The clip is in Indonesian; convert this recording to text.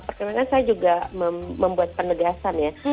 perkembangan saya juga membuat penegasan ya